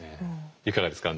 いかがですか？